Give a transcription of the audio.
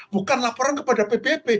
bukan laporan kepada pbb